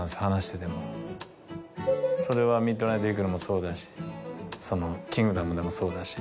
それは『ミッドナイトイーグル』もそうだし『キングダム』でもそうだし